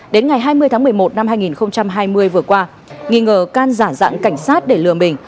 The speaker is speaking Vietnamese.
đến ngày hai mươi tháng một mươi một năm hai nghìn hai mươi vừa qua nghi ngờ can giả dạng cảnh sát để lừa mình